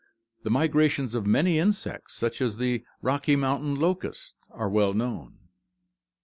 The migrations of many insects such as the "Rocky Mountain locust" are well known.